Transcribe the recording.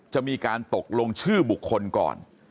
จะมีการตกลงชื่อบุคคลก่อน